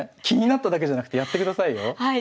気になっただけじゃなくてやってくださいよ？